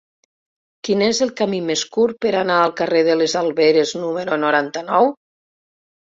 Quin és el camí més curt per anar al carrer de les Alberes número noranta-nou?